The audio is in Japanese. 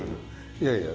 いやいや。